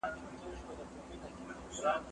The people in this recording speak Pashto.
فکر وکړه!.